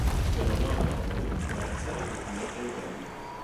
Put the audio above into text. اختلالات آوایی در اثر عفونت گلو